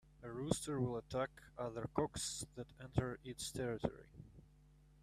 A rooster will attack other cocks that enter its territory.